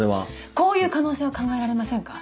こういう可能性は考えられませんか？